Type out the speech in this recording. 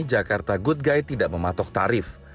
jakarta good guide tidak mematok tarif